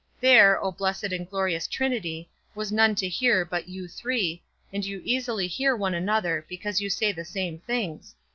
There, O blessed and glorious Trinity, was none to hear but you three, and you easily hear one another, because you say the same things.